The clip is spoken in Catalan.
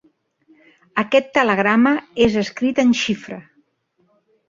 Aquest telegrama és escrit en xifra.